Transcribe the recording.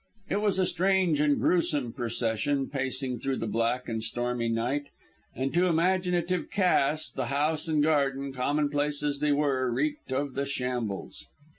It was a strange and gruesome procession pacing through the black and stormy night; and to imaginative Cass the house and garden, commonplace as they were, reeked of the shambles.